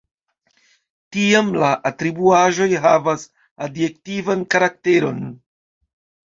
Tiam la atribuaĵoj havas adjektivan karakteron.